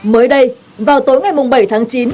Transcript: mới đây vào tối ngày bảy tháng chín